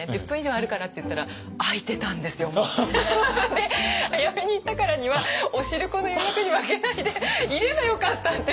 で早めに行ったからにはお汁粉の誘惑に負けないでいればよかったって。